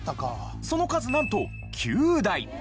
その数なんと９台！